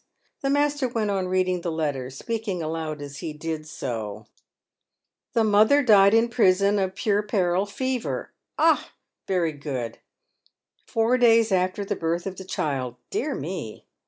The master went on reading the letter, speaking aloud as he did so :"* The mother died in prison of puerperal fever,' — ah !— very good — 'four days after the birth of the child,' — dear me!